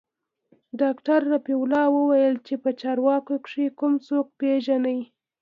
ډاکتر رفيع الله وويل چې په چارواکو کښې کوم څوک پېژني.